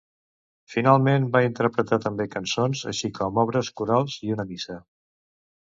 Finalment va interpretar també cançons, així com obres corals i una missa.